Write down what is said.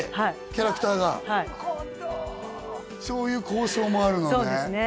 キャラクターがなるほどそういう構想もあるのね